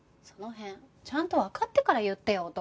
その辺ちゃんとわかってから言ってよ